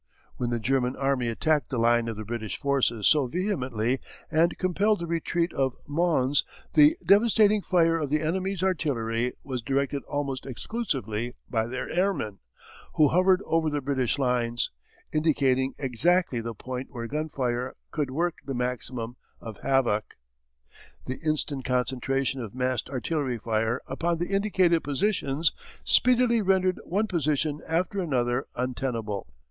When the German Army attacked the line of the British forces so vehemently and compelled the retreat at Mons, the devastating fire of the enemy's artillery was directed almost exclusively by their airmen, who hovered over the British lines, indicating exactly the point where gun fire could work the maximum of havoc. The instant concentration of massed artillery fire upon the indicated positions speedily rendered one position after another untenable.